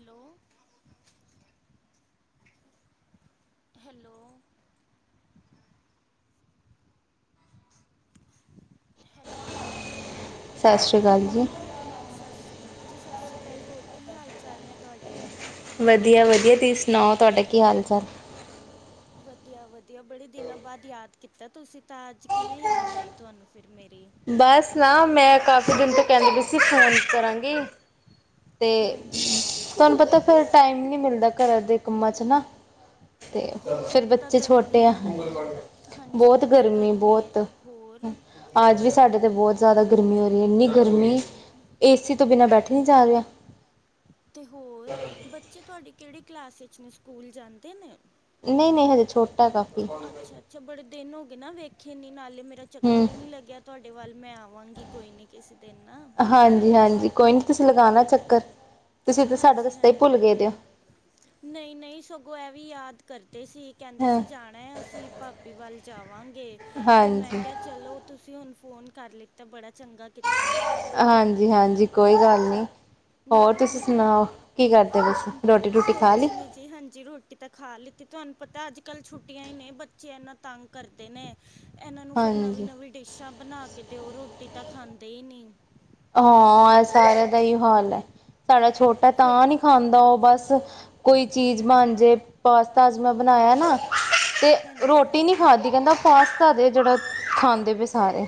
Hello hello hello ਸਸਰੀ ਕਾਲ ਜੀ। ਸਸ਼ਰੀ ਕਾਲ ਜੀ ਸਸ਼ਰੀ ਕਾਲ, ਹੋਰ ਕੀ ਹਾਲ ਚਾਲ ਨੇ ਤੁਹਾਡੇ? ਵਦੀਆ ਵਦੀਆ, ਤੁਹੀ ਸੁਣਾਓ ਤੁਡਾ ਕੀ ਹਾਲ ਚਾਲ? ਵਦੀਆਵਦੀਆ, ਬੜੇ ਦਿਨਾਂ ਬਾਅਦ ਯਾਦ ਕੀਤਾ ਤੁਸੀਂ ਤਾਂ, ਅੱਜ ਕਿਵੇਂ ਯਾਦ ਆਈ ਤੁਹਾਨੂੰ ਫਿਰ ਮੇਰੀ? ਬਸ ਨਾ, ਮੈਂ ਕਾਫੀ ਦਿਨ ਤੋਂ ਕੈਂਦੀ ਪਈ ਸੀ ਫ਼ੋਨ ਕਰਾਂਗੀ। ਤੇ ਹਾਂਜੀ ਹਾਂਜੀ ਧਾਨੂੰ ਪਤਾ ਫਿਰ ਟਾਈਮ ਨੀ ਮਿਲਦਾ ਘਰਾਂ ਦੇ ਕੰਮਾਂ ਚ ਨਾ ਤੇ ਹੋਰ ਫਿਰ ਇੱਕ ਤਾਂ ਬੱਚੇ ਗਰਮੀ ਛੋਟੇ ਆ, ਇੰਨੀ ਹੈ ਹਾਂਜੀ ਬੋਤ ਹਾਂਜੀ ਗਰਮੀ ਆ ਹੈ ਬੋਤ। ਹੋਰ ਅੱਜ ਵੀ ਸਾਡੇ ਤਾਂ ਬਹੁਤ ਜ਼ਿਆਦਾ ਗਰਮੀ ਹੋ ਰਹੀ ਆ, ਏਨੀ ਗਰਮੀ, ਏਸੀ ਤੋਂ ਬਿਨਾਂ ਬੈਠੇ ਨਹੀਂ ਜਾ ਰੇਆ। ਤੇ ਹੋਰ, ਬੱਚੇ ਤੁਹਾਡੇ ਕਿਹੜੀ ਕਲਾਸ ਚ ਨੇ, ਸਕੂਲ ਜਾਂਦੇ ਨੇ? ਨਈ ਨਈ ਹਜੇ ਛੋਟਾ ਕਾਫੀ। ਛਾ-ਛਾ ਬੜੇ ਦਿਨ ਹੋ ਗਏ ਨਾ ਵੇਖੇ ਨੀ ਨਾਲੇ ਮੇਰਾ ਚੱਕਰ ਹੂੰ ਈ ਨੀ ਲੱਗਿਆ ਤੁਹਾਡੇ ਵੱਲ ਮੈਂ ਆਵਾਂਗੀ ਕੋਈ ਨੀ ਕਿਸੇ ਦਿਨ ਹਾਂਜੀਹਾਂਜੀ, ਕੋਈ ਨੀ ਤੁਸੀਂ ਲਗਾਨਾ ਚੱਕਰ, ਤੁਸੀਂ ਤਾਂ ਸਾਡਾ ਰਸਤਾ ਈ ਭੁੱਲ ਗਾਇ ਦੇ ਓ ਨਈ ਨਈ ਸਗੋਂ ਐ ਵੀ ਯਾਦ ਕਰਦੇ ਸੀ। ਕੈਂਦੇ ਹਾਂ ਸੀ ਜਾਣਾ ਆ, ਅਸੀਂ ਭਾਬੀ ਵੱਲ ਜਾਵਾਂਗੇ ਤੇ ਮੈਂ ਹਾਂਜੀ ਕੇਆ ਚਲੋ ਤੁਸੀਂ ਹੁਣ ਫੋਨ ਕਰ ਲਿੱਤਾ ਬੜਾ ਚੰਗਾ ਕੀਤਾ ਐ। ਹਾਂਜੀ ਹਾਂਜੀ, ਕੋਈ ਗੱਲ ਨਹੀਂ ਹੋਰ ਨਾਲੇ ਤੁਸੀਂ ਮੈਂ ਸੁਣਾਓ ਕੀ ਕਰਦੇ ਪਏ ਸੀ ਰੋਟੀ [inaudible] ਰੂਟੀ ਖਾ ਕੁਛ ਲਈ ਨੀ ਜੀ ਹਾਂਜੀ ਰੋਟੀ ਤੇ ਖਾ ਲਿੱਤੀ ਧਾਨੂੰ ਪਤਾ ਅੱਜ ਕੱਲ ਛੁੱਟੀਆਂ ਹੀ ਨੇ ਬੱਚੇ ਐਨਾ ਤੰਗ ਕਰਦੇ ਨੇ। ਐਨਾ ਨੂੰ ਫਿਰ ਨਵੀਂ ਹਾਂਜੀ ਨਵੀਂ ਡਿਸ਼ਾਂ ਬਣਾ ਕੇ ਦਿਓ, ਰੋਟੀ ਤਾਂ ਖਾਂਦੇ ਈ ਨੀ। ਹਾਂਅ ਏ ਸਾਰਿਆਂ ਦਾ ਏਓ ਹਾਲ ਐ, ਸਾਡਾ ਛੋਟਾ ਤਾਂ ਫਿਰ ਆ ਨੀ ਖਾਂਦਾ ਉਹ ਬਸ ਕੋਈ ਚੀਜ਼ ਬਨਜੇ, ਪਾਸਤਾ ਅਜ ਮੈਂ ਬਣਾਇਆ ਏ ਨਾ ਤੇ ਹਾਂਜੀ ਰੋਟੀ ਨੀ ਹਾਂਜੀ ਖਾਦੀ, ਕੈਂਦਾ ਪਾਸਤਾ ਦੇ ਜੇੜਾ ਖਾਂਦੇ ਪੇ ਸਾਰੇ।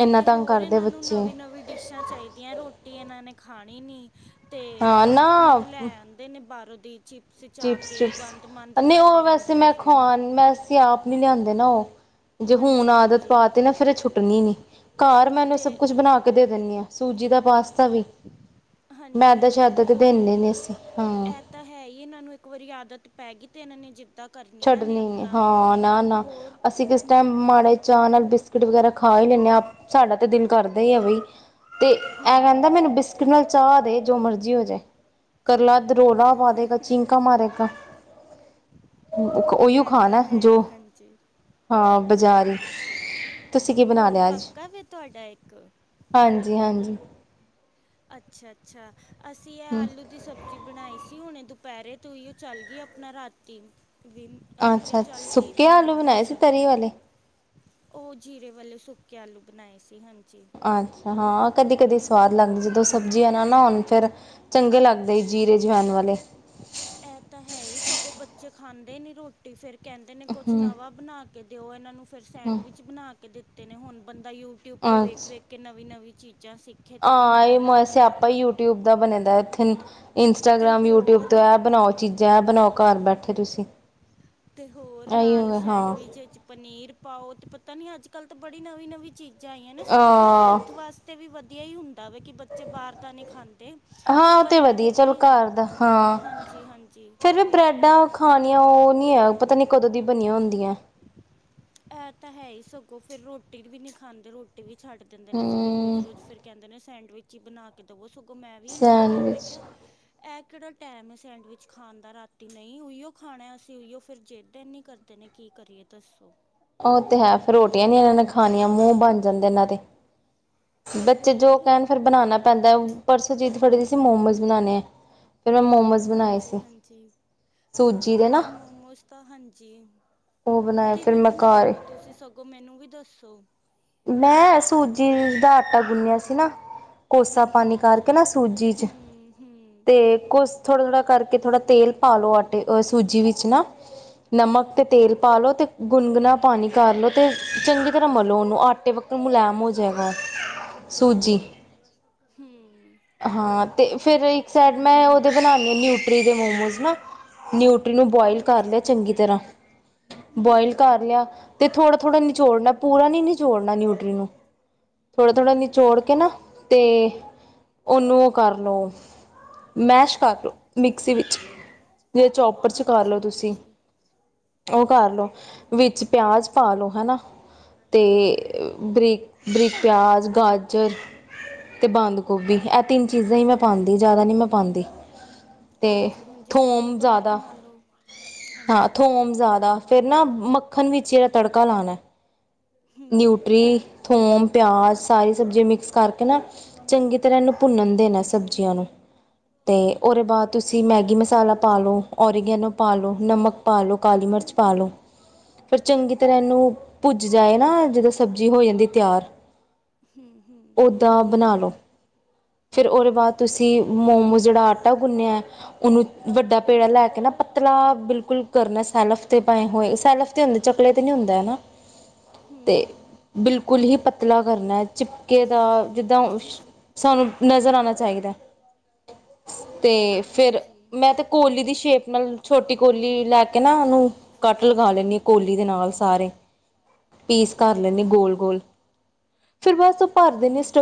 ਇੰਨਾ ਤੇ ਤੰਗ ਹੋਰ ਕਰਦੇ ਏਨਾ ਨੂੰ ਬੱਚੇ ਨਵੀ ਨਵੀ ਡਿਸ਼ਾਂ ਚਾਈਦੀਆਂ, ਰੋਟੀ ਏਨਾ ਨੇ ਖਾਣੀ ਨੀ। ਤੇ ਹਾਂ ਨਾ ਅਪਣੇ ਉ ਲੈ ਆਂਦੇ ਨੇ ਬਾਰੋ ਦੀ ਚੀਪਸਚ ਚਅ ਚਿਪਸ ਕੇ ਉ ਚਿਪਸ ਗੰਦ ਮੰੰਦ ਖਾਂਦੇ ਰੈਂਦੇ ਨੇ ਫੇਰ ਸੀਂ ਆਪ ਨੀ ਲੇਆਂਦੇ ਨਾ ਓ ਜੇ ਹੂਨ ਹਾਂਜੀ ਆਦਤ ਹਾਂਜੀ ਪਾ ਤੀ ਨਾ, ਫੇਰ ਛੁੱਟਣੀ ਨੀ ਘਾਰ ਮੈਨੇ ਤੇ ਸਭ ਕੁਛ ਬਨਾ ਕੇ ਕਦੇ ਦੇਂਨੀ ਆ ਸੂਜੀ ਦਾ ਪਾਸ ਤਾ ਵੀ ਮੈ ਹਾਂਜੀ ਤੇ ਹਾਂਜੀ ਸ਼ਾਯਦ ਦੇਂਦੀ ਹੋਰ ਨਿ ਸੀ ਹਾ ਇਹ ਤਾਂ ਹੈ ਈ ਏਨਾਂ ਨੂੰ ਇੱਕ ਵਾਰੀ ਆਦਤ ਪੈ ਗੀ ਤੇ ਇਹਨਾਂ ਨੇ ਜਿੱਦਾ ਛੱਡਣੀ ਨੇ ਹਾਂ ਨਾ ਨਾ, ਹੋਰ ਅਸੀਂ ਕਿਸੇ ਟਾਈਮ ਮਾੜੇ ਚਾਅ ਨਾਲ ਬਿਸਕਿਟ ਵਗੈਰਾ ਖਾ ਈ ਲੈਂਦੇ, ਆ ਸਾਡਾ ਤਾਂ ਦਿਲ ਕਰਦਾ ਈ ਆ ਬਈ। ਤੇ ਐ ਕੈਂਦਾ ਹੂੰ ਮੈਨੂੰ ਬਿਸਕਿਟ ਨਾ ਚਾਅ ਦੇ, ਜੋ ਮਰਜ਼ੀ ਹੋ ਜੇ, ਕਰਲਾ ਦ ਰੋਲਾਂ ਪਾਦੇਗਾ ਚੀਂਕਾਂ ਮਾਰੇਗਾ। ਓਈਓ ਇਹ ਖਾਣਾ ਤਾਂ ਐ, ਹੈ ਜੋ ਹੀ ਹਾਂਜੀ ਹਾਂ ਬਾਜ਼ਾਰੀ ਹੋਰ ਕਾਕਾ ਏ ਵੈ ਤੁਆਡਾ ਇੱਕ? ਹਾਂਜੀ ਹਾਂਜੀ। ਅੱਛਾ ਅੱਛਾ ਅਸੀਂ ਇਹ ਹੂੰ ਆਲੂ ਦੀ ਸਬਜ਼ ਜੀ ਬਣਾਈ ਸੀ ਹੁਣੇ ਦੁਪਹਿਰੇ ਤੋਂ ਹੀ ਉਹ ਚੱਲ ਗਈ ਆਪਣਾ ਰਾਤੀ ਵੀ ਅਸੀਂ ਕਿਹਾ ਅੱਛਾ ਚੱਲ ਕੀ ਸੁੱਕੇ ਆਲੂ ਬਣਾਉਣੀ ਹੁਣ ਬਣਾਏ ਸੀ ਤਰੀ ਸਬਜ਼ੀ ਵਾਲੇ? ਉਹ ਜੀਰੇ ਵਾਲੇ ਸੁੱਕੇ ਆਲੂ ਬਣਾਏ ਸੀ ਹਾਂਜੀ। ਅੱਛਾ ਹਾਂ ਕਦੇ-ਕਦੇ ਸਵਾਦ ਲੱਗਦੀ ਜਦੋਂ ਸਬਜ਼ੀਆਂ ਨਾ ਨਾ ਹੋਣ ਫਿਰ ਚੰਗੇ ਲੱਗਦੇ ਜੀਰੇ ਜਵਾਇਣ ਵਾਲੇ। ਇਹ ਤਾਂ ਹੈ ਈ ਸਗੋਂ ਬੱਚੇ ਖਾਂਦੇ ਨੀ ਰੋਟੀ ਰੋਟੀ ਫੇਰ ਕੈਂਦੇ ਨੇ ਕੁਛ ਹੂੰ ਨਵਾਂ ਬਣਾ ਕੇ ਦਿਓ ਇਹਨਾਂ ਨੂੰ ਫੇਰ ਹੂੰ ਸੈਂਡਵਿਚ ਬਣਾ ਕੇ ਦਿੱਤੇ ਨੇ ਹੁਣ ਬੰਦਾ ਯੂਟਿਊਬ ਤੋਂ ਵੇਖ-ਵੇਖ ਕੇ ਨਵੀਂ-ਨਵੀਂ ਚੀਜ਼ਾਂ ਸਿੱਖ ਆਂ ਏ ਇਹ ਮੋਏ ਸੇਆਪਾਂ ਯੂ ਟਿਊਬ ਦਾ ਬਣੇ ਦਾ ਇੱਥੇ ਤੇ ਇੰਸਟਾਗ੍ਰਾਮ ਯੂਟਿਊਬ ਤੋਂ ਹੋਰ ਇਹ ਬਣਾਓ ਚੀਜ਼ ਜੈ ਬਣਾਓ ਘਰ ਬੈਠੇ ਤੁਸੀਂ। ਤੇ ਹੋਰ ਨਾਲ ਇਹੀਓ ਹਾਂ ਸੈਂਡਵਿਚ ਚ ਪਨੀਰ ਪਾਓ ਤੇ ਪਤਾ ਨੀਂ ਅੱਜ-ਕੱਲ੍ਹ ਤਾਂ ਬੜੀ ਨਵੀਂ ਨਵੀਂ ਚੀਜ਼ਾਂ ਆਈਆਂ ਨੇ ਸਗੋਂ ਉਹ ਨਾ ਅਹ ਹੈਲਥ ਵਾਸਤੇ ਤੇ ਵੀ ਵਧੀਆ ਈ ਹੁੰਦਾ ਵੈ ਕਿ ਬੱਚੇ ਬਾਰ ਤਾਂ ਨਈਂ ਖਾਂਦੇ ਹਾਂ ਉਹ ਪਰ ਤੇ ਵਧੀਆ ਐਵੇਂ ਚਲੋ ਕਿ ਘਰ ਦਾ ਹਾਂ ਹਾਂਜੀ ਹਾਂਜੀ। ਫਿਰ ਵੀ ਬ੍ਰੈਡਾਂ ਖਾਣੀਆਂ ਉਹ ਨ੍ਹੀਂ ਹੈ ਪਤਾ ਨੀ ਕਦੋਂ ਦੀ ਬਣੀਆਂ ਹੁੰਦੀਆਂ। ਇਹ ਤਾਂ ਹੈ ਈ ਸਗੋਂ ਫਿਰ ਰੋਟੀ ਵੀ ਨ੍ਹੀ ਖਾਂਦੇ, ਰੋਟੀ ਵੀ ਛੱਡ ਦਿੰਦੇ ਨੇ ਸਗੋਂ ਹੂੰ ਰੋਜ਼-ਰੋਜ਼ ਫਿਰ। ਕੈਂਦੇ ਨੇ ਸੈਂਡਵਿਚ ਈ ਬਣਾ ਕੇ ਦਵੋ ਸਗੋਂ ਮੈਂ ਵੀ ਇਹਨਾਂ ਨੂੰ ਕਿਆ ਮੈਂ ਸੈਂਡਵਿਚ ਕਿਆ ਇਹ ਕਿਹੜਾ ਟਾਈਮ ਐ ਸੈਂਡਵਿਚ ਖਾਣ ਦਾ ਰਾਤੀ, ਨਈਂ ਉਹੀਓ ਖਾਣਾ ਅਸੀਂ, ਉਹੀਓ ਫਿਰ ਜਿੱਦ ਇਨੀਂ ਕਰਦੇ ਦੇ ਨੇ ਕੀ ਕਰੀਏ ਦੱਸੋ? ਉਹ ਤੇ ਹੈ ਫੇਰ ਰੋਟੀਆਂ ਨੀ ਇਹਨਾਂ ਨੇ ਖਾਣੀਆਂ ਮੂੰਹ ਬਣ ਜਾਂਦੇ ਇਹਨਾਂ ਦੇ। ਤੇ ਬੱਚੇ ਜੋ ਹੋਰ ਕੈਣ ਫੇਰ ਬਣਾਣਾ ਪੈਂਦਾ, ਪਰਸੋਂ ਜਿੱਦ ਫੜੀ ਦੀ ਸੀ ਮੋਮੋਜ਼ ਬਣਾਣੇ ਐ ਫਿਰ ਮੈਂ ਮੋਮੋਜ਼ ਹਾਂਜੀ ਹਾਂਜੀ। ਦੇ ਨਾ ਤੇ ਮੋਮੋਸ ਤਾਂ ਹਾਂਜੀ, ਉਹ ਬਣਾਏ ਫਿਰ ਕਿਵੇਂ ਮੈਂ ਬਣਾਏ ਘਰ ਨੇ ਤੁਸੀਂ? ਤੁਸੀਂ ਸਗੋਂ ਮੈਨੂੰ ਵੀ ਦੱਸੋ। ਮੈਂ ਸੂਜੀ ਦਾ ਆਟਾ ਗੁਨ੍ਹਿਆ ਸੀ ਨਾ। ਕੋਸਾ ਹਾਂਜੀ ਪਾਣੀ ਹਾਂਜੀ ਕਰਕੇ ਨਾ ਸੂਜੀ ਚ ਹੂੰ ਹੂੰ ਤੇ ਕੋਸ ਥੋੜ੍ਹਾ-ਥੋੜ੍ਹਾ ਕਰਕੇ ਥੋੜ੍ਹਾ ਤੇਲ ਪਾਲਓ ਆਟੇ ਹ ਸੂਜੀ ਵਿੱਚ ਨਾ। ਨਮਕ ਤੇ ਹਾਂਜੀ ਤੇਲ ਪਾ ਲਓ ਅਤੇ ਗੁਨਗੁਣਾ ਪਾਣੀ ਕਰ ਲਉ ਅਤੇ ਚੰਗੀ ਤਰ੍ਹਾਂ ਮਲੋ ਉਨੂੰ ਆਟੇ ਵਕਤ ਮੁਲੈਮ ਹੋ ਜੇਗਾ ਸੂਜੀ ਹਂ। ਹਾਂ ਤੇ ਫਿਰ ਇੱਕ ਸਾਈਡ ਮੈਂ ਉਹਦੇ ਬਣਾਣੀ ਨਿਊਟਰੀ ਦੇ ਮੋਮੋਜ਼ ਨਾ। ਨਿਊਟਰੀ ਨੂੰ ਬੋਆਇਲ ਕਰ ਹਾਂਜੀ ਲਿਆ ਚੰਗੀ ਹਾਂਜੀ ਤਰ੍ਹਾਂ ਬੋਇਲ ਕਰ ਹੂੰ ਲਿਆ ਤੇ ਥੋੜਾ-ਥੋੜ੍ਹਾ ਨਿਚੋੜਨਾ ਪੂਰਾ ਨੀਂ ਨਿਚੋੜਨਾ ਨਿਊਟਰੀ ਨੂੰ। ਥੋੜ੍ਹਾ-ਥੋੜ੍ਹਾ ਹਾਂਜੀ ਨਿਚੋੜ ਕੇ ਨਾ ਹਾਂਜੀ ਤੇ ਉਨੂੰ ਉਹ ਕਰ ਲਓ, ਮੈਸ਼ ਕਰ ਲਓ ਮਿਕਸੀ ਵਿੱਚ। ਜੇ ਚੋਪਰ ਚ ਕਰ ਹਾਂਜੀ ਲਓ ਤੁਸੀਂ। ਹਾਂਜੀ ਉਹ ਕਰ ਲੋ ਵਿੱਚ ਪਿਆਜ ਪਾ ਲੋ ਹਨਾਂ ਤੇ ਅ ਬਰੀਕ-ਬਰੀਕ ਪਿਆਜ਼, ਗਾਜਰ ਤੇ ਬੰਦ ਗੋਭੀ ਇਹ ਤਿੰਨ ਚੀਜ਼ਾਂ ਈ ਮੈਂ ਪਾਂਦੀ ਜ਼ਿਆਦਾ ਨ੍ਹੀਂ ਮੈਂ ਪਾਂਦੀ। ਤੇ ਹਾਂਜੀ ਹਾਂਜੀ ਸਗੋਂ ਥੋਮ ਬਾਹਰ ਜ਼ਿਆਦਾ ਨਾਲੋਂ ਹਾਂ ਹਾਂਜੀ ਥੋਮ ਜ਼ਿਆਦਾ। ਫੇਰ ਨਾ ਮੱਖਣ ਵਿੱਚ ਏਦਾ ਤੜਕਾ ਲਾਣਾ ਹੂੰ ਨਿਊਟਰੀ, ਥੋਮ ਪਿਆਜ ਸਾਰੀ ਸਬਜ਼ੀਆਂ ਮਿਕਸ ਕਰਕੇ ਨਾ ਚੰਗੀ ਤਰ੍ਹਾਂ ਇਨੂੰ ਭੁੰਨਣ ਦੇਣਾ ਸਬਜ਼ੀਆਂ ਨੂੰ। ਤੇ ਓਦੇ ਬਾਅਦ ਤੁਸੀਂ ਮੈਗੀ ਮਸਾਲਾ ਹਾਂਜੀ ਪਾਲੋ। ਓਰੀਗੈਨੋ ਪਾ ਲੋ, ਨਮਕ ਪਾਲੋ, ਕਾਲੀ ਮਿਰਚ ਪਾ ਲੋ। ਫਿਰ ਚੰਗੀ ਤਰ੍ਹਾਂ ਇਨੂੰ ਭੁੱਜ ਜਾਏ ਨਾ ਜਦੋਂ ਸਬਜ਼ੀ ਹੋ ਜਾਂਦੀ ਤਿਆਰ। ਹੂੰ, ਹੂੰ ਓਦਾ ਬਣਾਲੋ, ਫਿਰ ਉਹਦੇ ਬਾਅਦ ਤੁਸੀਂ ਮੋਮੋ ਜਿਹੜਾ ਆਟਾ ਗੁੰਨਿਆ, ਉਹਨੂੰ ਵੱਡਾ ਪੇੜਾ ਲੈ ਪਤਲਾ ਬਿਲਕੁਲ ਕਰਨਾ ਸੈਲਫ ਤੇ ਪਏ ਹੋਏ, ਸੈਲਫ ਤੇ ਹੁੰਦੇ ਚਕਲੇ ਤੇ ਨੀ ਹੁੰਦਾ ਹੈਨਾ। ਹੂੰ ਬਿਲਕੁਲ ਹੀ ਪਤਲਾ ਕਰਨਾ, ਚਿਪਕੇ ਦਾ ਜਿੱਦਾਂ ਸਾਨੂੰ ਨਜ਼ਰ ਆਣਾ ਚਾਹੀਦਾ। ਤੇ, ਫੇਰ ਹਾਂਜੀ ''ਮੈਂ ਤੇ ਕੋਲੀ ਦੀ ਸ਼ੇਪ ਨਾਲ ਛੋਟੀ ਕੋਲੀ ਲੈਕੇ ਨਾ ਉਹਨੂੰ, ਕੱਟ ਲਗਾ ਲੈਂਨੀ ਆ ਕੋਲੀ ਦੇ ਨਾਲ ਸਾਰੇ। ਪੀਸ ਕਰ ਲੈਂਨੀ ਆ ਹੂੰ ਗੋਲ-ਗੋਲ, ਫਿਰ ਬਸ ਉਹ ਭਰ ਦਿੰਨੀ ਆ, ਸਟ